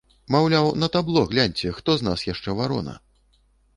Маўляў, на табло гляньце, хто з нас яшчэ варона.